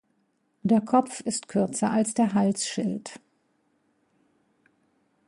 Der Kopf ist kürzer als der Halsschild.